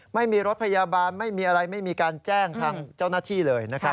ไม่มีรถพยาบาลไม่มีอะไรไม่มีการแจ้งทางเจ้าหน้าที่เลยนะครับ